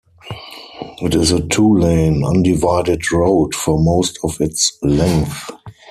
It is a two-lane, undivided road for most of its length.